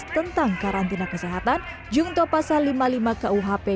tentang karantina kesehatan jungto pasal lima puluh lima kuhp